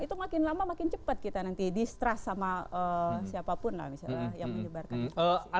itu makin lama makin cepat kita nanti distrust sama siapapun lah misalnya yang menyebarkan